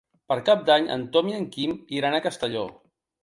Per Cap d'Any en Tom i en Quim iran a Castelló.